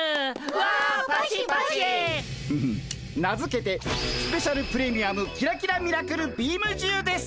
フフッ名付けてスペシャル・プレミアムキラキラ・ミラクル・ビームじゅうです！